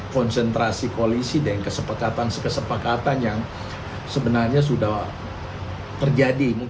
konsentrasi koalisi dengan kesepakatan yang sebenarnya sudah terjadi